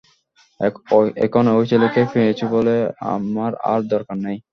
এখন ঐ ছেলেকে পেয়েছো বলে আমার আর দরকার নেই।